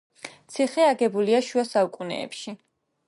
ციხე აგებულია შუა საუკუნეებში.